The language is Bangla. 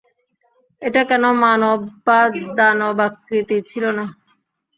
এটা কোন মানব বা দানবাকৃতি ছিল না।